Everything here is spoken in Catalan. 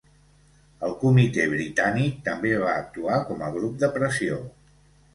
El Comitè Britànic també va actuar com a grup de pressió.